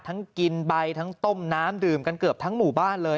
กินใบทั้งต้มน้ำดื่มกันเกือบทั้งหมู่บ้านเลย